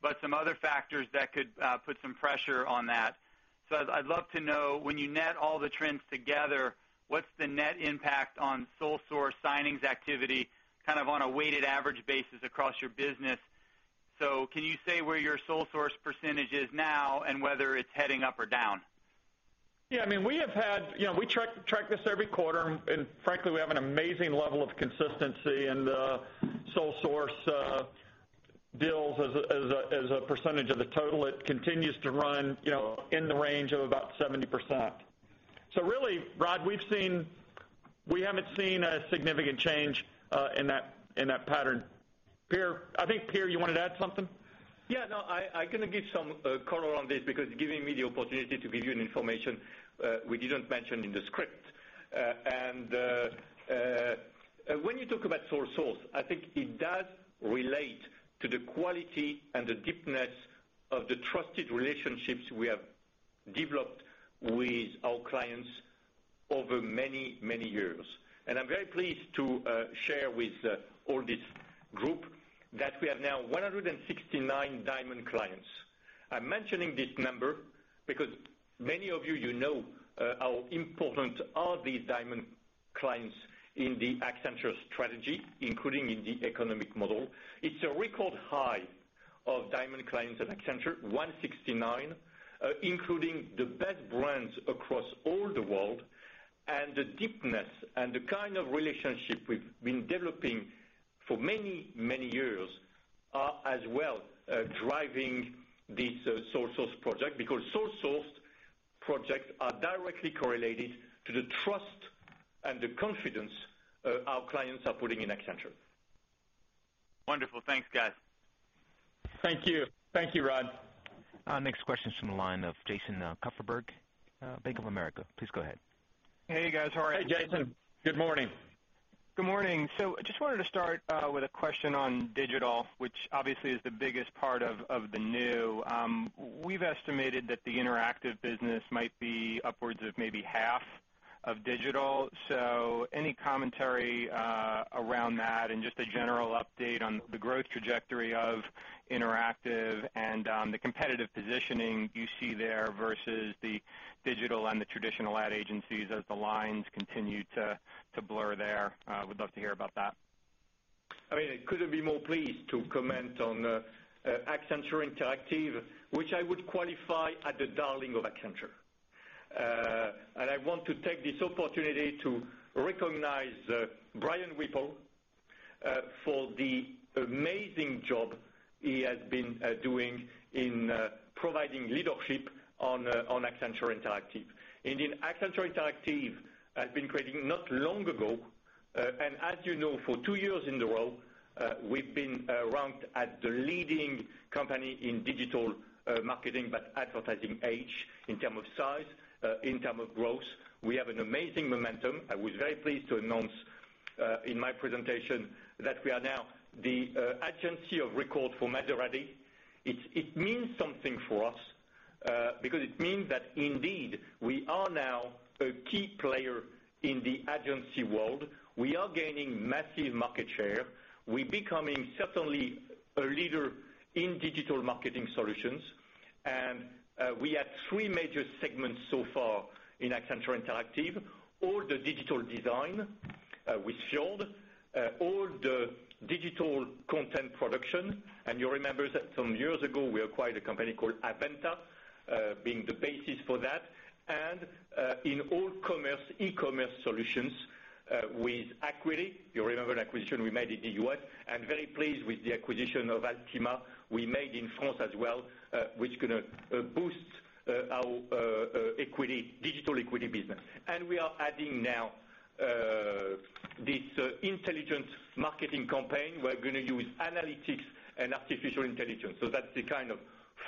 but some other factors that could put some pressure on that. I'd love to know, when you net all the trends together, what's the net impact on sole source signings activity, on a weighted average basis across your business? Can you say where your sole source percentage is now and whether it's heading up or down? We track this every quarter. Frankly, we have an amazing level of consistency in the sole source deals as a percentage of the total. It continues to run in the range of about 70%. Really, Rod, we haven't seen a significant change in that pattern. I think, Pierre, you wanted to add something? No, I can give some color on this because giving me the opportunity to give you an information we didn't mention in the script. When you talk about sole source, I think it does relate to the quality and the deepness of the trusted relationships we have developed with our clients over many, many years. I'm very pleased to share with all this group that we have now 169 diamond clients. I'm mentioning this number because many of you know how important are these diamond clients in the Accenture strategy, including in the economic model. It's a record high of diamond clients at Accenture, 169, including the best brands across all the world, and the deepness and the kind of relationship we've been developing for many, many years are as well driving this sole source project, because sole source projects are directly correlated to the trust and the confidence our clients are putting in Accenture. Wonderful. Thanks, guys. Thank you. Thank you, Rod. Our next question's from the line of Jason Kupferberg, Bank of America. Please go ahead. Hey, guys. How are you? Hey, Jason. Good morning. Good morning. I just wanted to start with a question on digital, which obviously is the biggest part of the new. We've estimated that the interactive business might be upwards of maybe half of digital. Any commentary around that and just a general update on the growth trajectory of interactive and the competitive positioning you see there versus the digital and the traditional ad agencies as the lines continue to blur there. Would love to hear about that. I couldn't be more pleased to comment on Accenture Interactive, which I would qualify as the darling of Accenture. I want to take this opportunity to recognize Brian Whipple for the amazing job he has been doing in providing leadership on Accenture Interactive. In Accenture Interactive has been created not long ago, and as you know, for two years in a row, we've been ranked as the leading company in digital marketing by Ad Age in terms of size, in terms of growth. We have an amazing momentum. I was very pleased to announce in my presentation that we are now the agency of record for Maserati. It means something for us, because it means that indeed, we are now a key player in the agency world. We are gaining massive market share. We're becoming certainly a leader in digital marketing solutions, we have three major segments so far in Accenture Interactive. All the digital design we filled, all the digital content production, and you remember that some years ago, we acquired a company called avVenta, being the basis for that, and in all commerce, e-commerce solutions With aQuantive, you remember the acquisition we made in the U.S.? I'm very pleased with the acquisition of Altima we made in France as well, which is going to boost our digital agency business. We are adding now this intelligent marketing campaign. We're going to use analytics and artificial intelligence. That's the kind of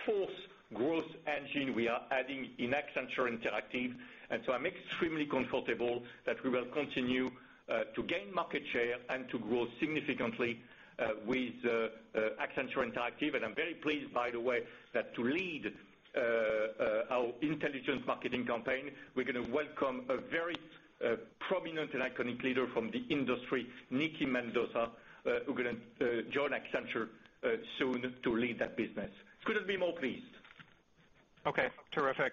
fourth growth engine we are adding in Accenture Interactive. I'm extremely comfortable that we will continue to gain market share and to grow significantly with Accenture Interactive. I'm very pleased, by the way, that to lead our intelligent marketing campaign, we're going to welcome a very prominent and iconic leader from the industry, Nikki Mendonca, who's going to join Accenture soon to lead that business. Couldn't be more pleased. Okay, terrific.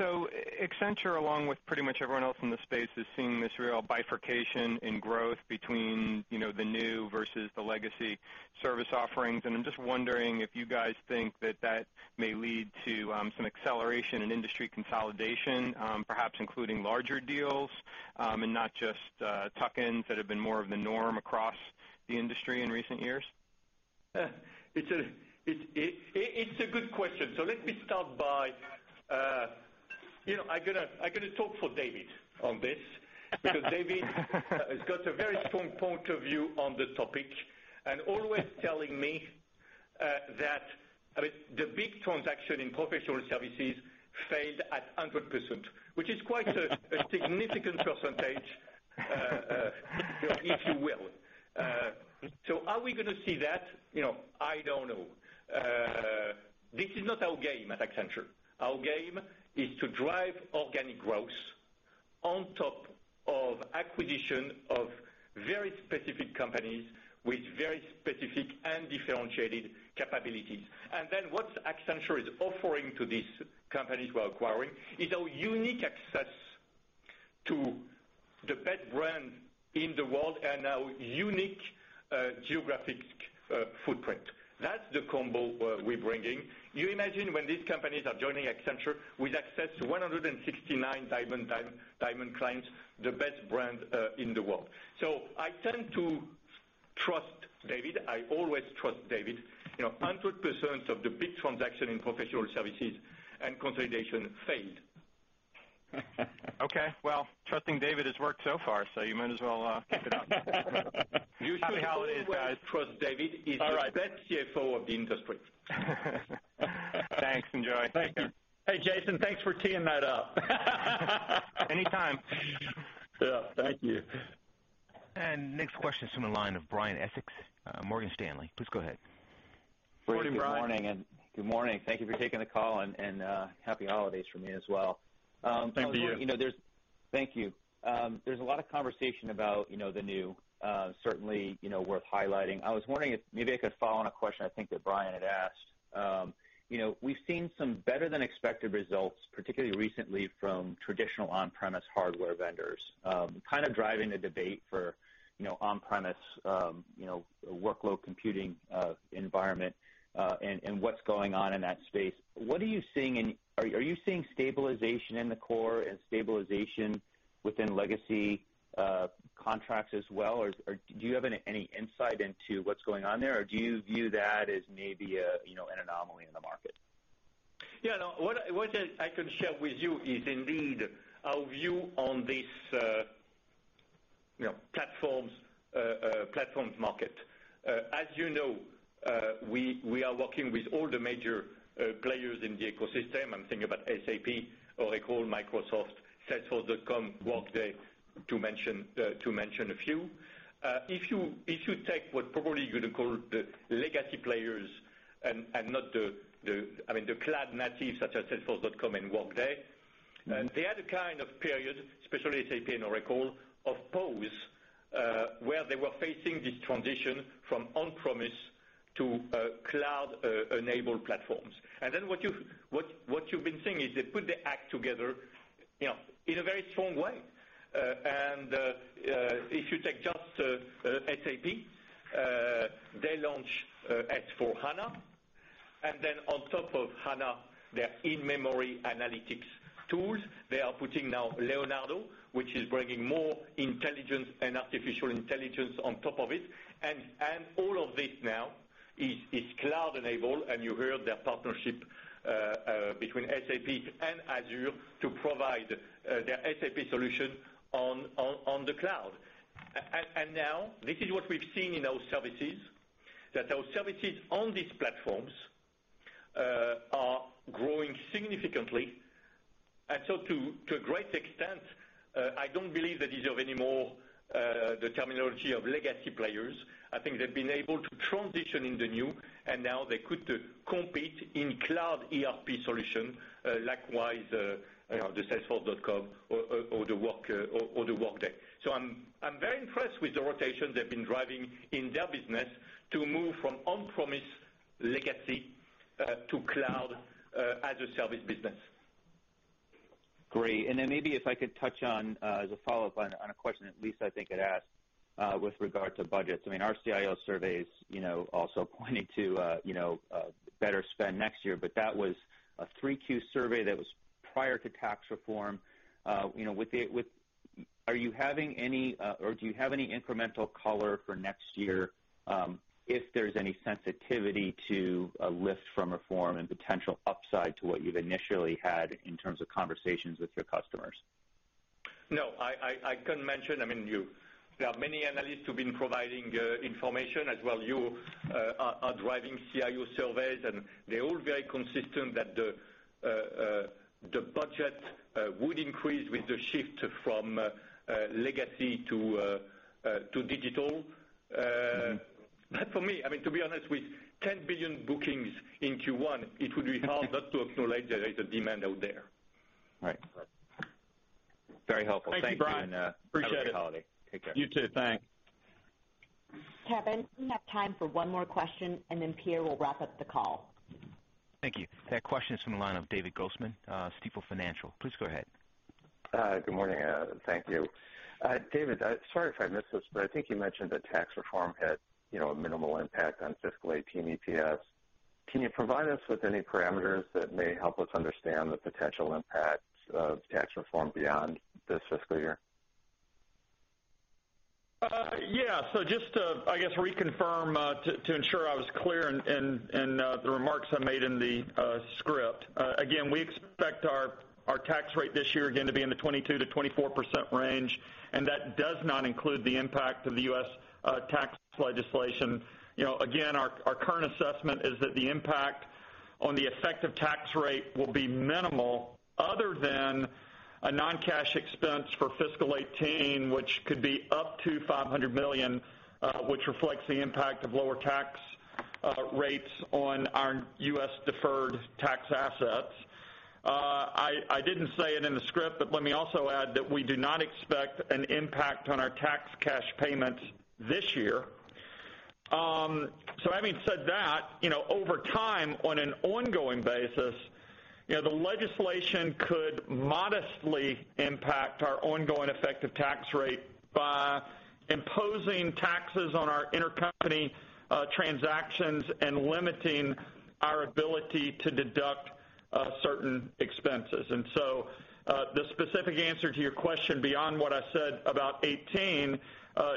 Accenture, along with pretty much everyone else in this space, is seeing this real bifurcation in growth between the new versus the legacy service offerings. I'm just wondering if you guys think that that may lead to some acceleration in industry consolidation perhaps including larger deals and not just tuck-ins that have been more of the norm across the industry in recent years. It's a good question. Let me start, I'm going to talk for David on this. David has got a very strong point of view on the topic, and always telling me that the big transaction in professional services failed at 100%, which is quite a significant percentage, if you will. Are we going to see that? I don't know. This is not our game at Accenture. Our game is to drive organic growth on top of acquisition of very specific companies with very specific and differentiated capabilities. Then what Accenture is offering to these companies we're acquiring is our unique access to the best brands in the world, and our unique geographic footprint. That's the combo we're bringing. Can you imagine when these companies are joining Accenture with access to 169 diamond clients, the best brands in the world. I tend to trust David. I always trust David. 100% of the big transactions in professional services and consolidation failed. Okay. Well, trusting David has worked so far, so you might as well keep it up. Usually trust David. He's the best CFO of the industry. Thanks, enjoy. Thank you. Hey, Jason, thanks for teeing that up. Anytime. Yeah. Thank you. Next question is from the line of Brian Essex, Morgan Stanley. Please go ahead. Good morning, Brian. Good morning. Thank you for taking the call and happy holidays from me as well. Thank you. Thank you. There's a lot of conversation about the new, certainly worth highlighting. I was wondering if maybe I could follow on a question I think that Brian had asked. We've seen some better than expected results, particularly recently from traditional on-premise hardware vendors, kind of driving the debate for on-premise workload computing environment, and what's going on in that space. Are you seeing stabilization in the core and stabilization within legacy contracts as well? Or do you have any insight into what's going on there? Or do you view that as maybe an anomaly in the market? Yeah, no. What I can share with you is indeed our view on this platforms market. As you know, we are working with all the major players in the ecosystem. I'm thinking about SAP, Oracle, Microsoft, salesforce.com, Workday, to mention a few. If you take what probably you're going to call the legacy players and the cloud natives such as salesforce.com and Workday. They had a kind of period, especially SAP and Oracle, of pause, where they were facing this transition from on-premise to cloud-enabled platforms. What you've been seeing is they put their act together in a very strong way. If you take just SAP, they launched S/4HANA. On top of HANA, their in-memory analytics tools, they are putting now Leonardo, which is bringing more intelligence and artificial intelligence on top of it. All of this now is cloud-enabled, and you heard their partnership between SAP and Azure to provide their SAP solution on the cloud. This is what we've seen in our services, that our services on these platforms are growing significantly. To a great extent, I don't believe they deserve any more the terminology of legacy players. I think they've been able to transition in the new, and now they could compete in cloud ERP solution. Likewise, the salesforce.com or the Workday. I'm very impressed with the rotation they've been driving in their business to move from on-premise legacy to cloud as a service business. Great. Maybe if I could touch on, as a follow-up on a question that Lisa, I think, had asked. With regard to budgets. I mean, our CIO surveys also pointed to better spend next year, but that was a three-Q survey that was prior to tax reform. Do you have any incremental color for next year, if there's any sensitivity to a lift from reform and potential upside to what you've initially had in terms of conversations with your customers? No, I can mention, there are many analysts who've been providing information as well. You are driving CIO surveys, and they're all very consistent that the budget would increase with the shift from legacy to digital. For me, to be honest, with $10 billion bookings in Q1, it would be hard not to acknowledge there is a demand out there. Right. Very helpful. Thank you, Brian. Thanks, have a good holiday. Appreciate it. Take care. You too. Thanks. Kevin, we have time for one more question, and then Pierre will wrap up the call. Thank you. That question is from the line of David Grossman, Stifel Financial. Please go ahead. Good morning, and thank you. David, sorry if I missed this, but I think you mentioned that tax reform had a minimal impact on fiscal '18 EPS. Can you provide us with any parameters that may help us understand the potential impact of tax reform beyond this fiscal year? Yeah. Just to, I guess, reconfirm to ensure I was clear in the remarks I made in the script. Again, we expect our tax rate this year again to be in the 22%-24% range, and that does not include the impact of the U.S. tax legislation. Again, our current assessment is that the impact on the effective tax rate will be minimal other than a non-cash expense for fiscal '18, which could be up to $500 million, which reflects the impact of lower tax rates on our U.S. deferred tax assets. I didn't say it in the script, but let me also add that we do not expect an impact on our tax cash payments this year. Having said that, over time, on an ongoing basis, the legislation could modestly impact our ongoing effective tax rate by imposing taxes on our intercompany transactions and limiting our ability to deduct certain expenses. The specific answer to your question beyond what I said about '18,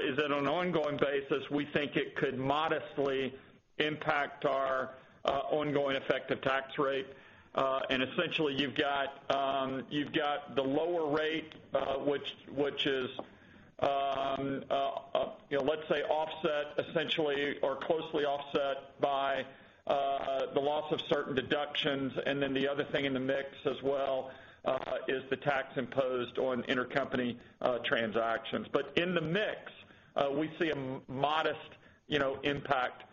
is that on an ongoing basis, we think it could modestly impact our ongoing effective tax rate. Essentially you've got the lower rate, which is, let's say, offset essentially or closely offset by the loss of certain deductions. The other thing in the mix as well is the tax imposed on intercompany transactions. In the mix, we see a modest impact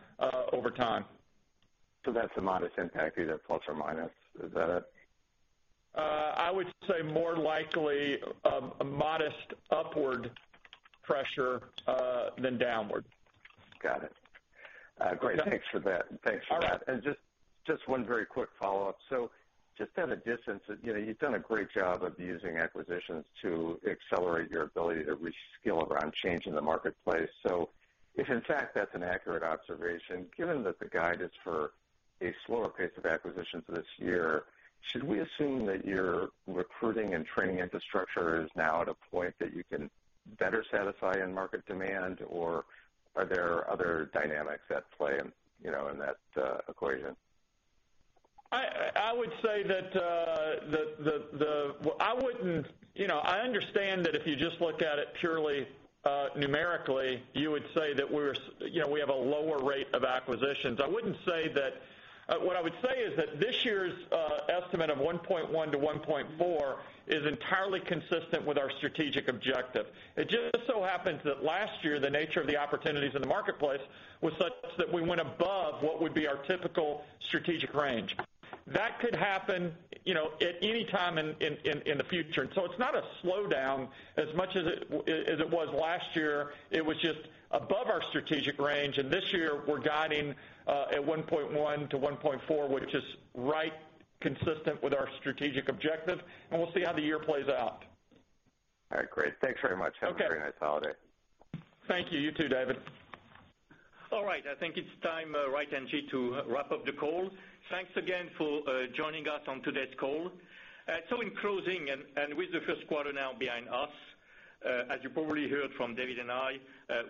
over time. That's a modest impact, either plus or minus. Is that it? I would say more likely a modest upward pressure than downward. Got it. Great. Thanks for that. All right. Just one very quick follow-up. Just at a distance, you've done a great job of using acquisitions to accelerate your ability to reskill around change in the marketplace. If in fact that's an accurate observation, given that the guidance for a slower pace of acquisitions this year, should we assume that your recruiting and training infrastructure is now at a point that you can better satisfy in market demand? Or are there other dynamics at play in that equation? I understand that if you just look at it purely numerically, you would say that we have a lower rate of acquisitions. What I would say is that this year's estimate of 1.1 to 1.4 is entirely consistent with our strategic objective. It just so happens that last year, the nature of the opportunities in the marketplace was such that we went above what would be our typical strategic range. That could happen at any time in the future. It's not a slowdown as much as it was last year, it was just above our strategic range. This year we're guiding at 1.1 to 1.4, which is right consistent with our strategic objective, and we'll see how the year plays out. All right, great. Thanks very much. Okay. Have a very nice holiday. Thank you. You too, David. All right. I think it's time, right, Angie, to wrap up the call. Thanks again for joining us on today's call. In closing, and with the first quarter now behind us, as you probably heard from David and I,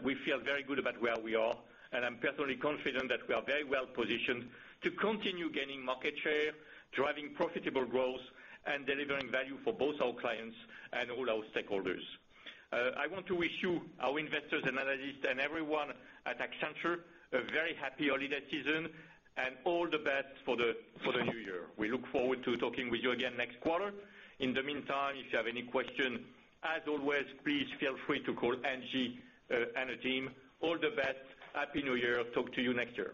we feel very good about where we are, and I'm personally confident that we are very well positioned to continue gaining market share, driving profitable growth, and delivering value for both our clients and all our stakeholders. I want to wish you, our investors and analysts, and everyone at Accenture, a very happy holiday season and all the best for the new year. We look forward to talking with you again next quarter. In the meantime, if you have any questions, as always, please feel free to call Angie and her team. All the best. Happy New Year. Talk to you next year.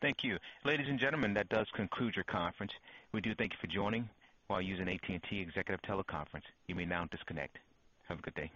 Thank you. Ladies and gentlemen, that does conclude your conference. We do thank you for joining. While using AT&T Executive TeleConference, you may now disconnect. Have a good day